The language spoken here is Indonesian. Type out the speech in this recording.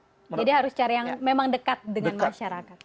jadi harus cari yang memang dekat dengan masyarakat